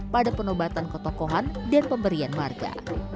pada penobatan kotokohan dan pemberian warga